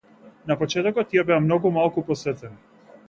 На почетокот тие беа многу малку посетени.